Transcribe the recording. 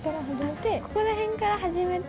・ここら辺から始めて・・